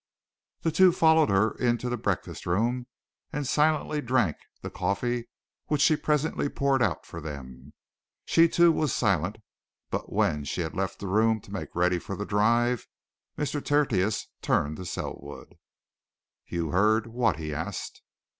The two followed her into the breakfast room and silently drank the coffee which she presently poured out for them. She, too, was silent, but when she had left the room to make ready for the drive Mr. Tertius turned to Selwood. "You heard what?" he asked.